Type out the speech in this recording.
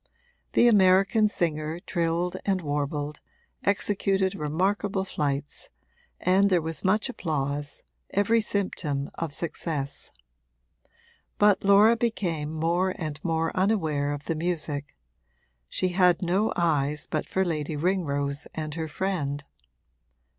The American singer trilled and warbled, executed remarkable flights, and there was much applause, every symptom of success; but Laura became more and more unaware of the music she had no eyes but for Lady Ringrose and her friend.